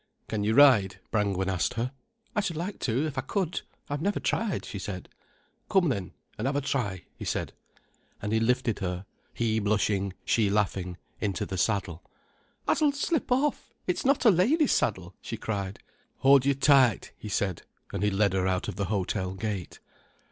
"Can you ride?" Brangwen asked her. "I should like to if I could—I have never tried," she said. "Come then, an' have a try," he said. And he lifted her, he blushing, she laughing, into the saddle. "I s'll slip off—it's not a lady's saddle," she cried. "Hold yer tight," he said, and he led her out of the hotel gate.